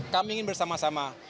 kami ingin bersama sama